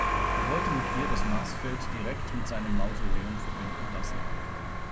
Er wollte mit ihr das Marsfeld direkt mit seinem Mausoleum verbinden lassen.